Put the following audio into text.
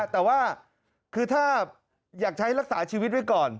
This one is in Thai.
แต่ว่าคือถ้าอยากใช้รักษาชีวิตไว้ก่อน